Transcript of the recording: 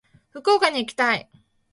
福岡に行きたい。